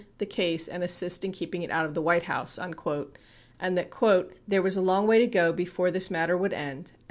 51 case and assist in keeping it out of the White House" and that "there was a long way to go before this matter would end and